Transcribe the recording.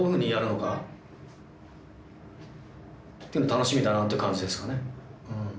楽しみだなっていう感じですかね。